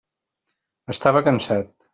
Estava cansat.